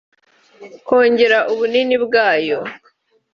kongera ubunini bwayo